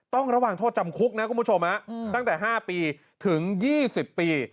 ต้องระวังโทษจำคุกนะครับคุณผู้ชมอืมตั้งแต่ห้าปีถึงยี่สิบปี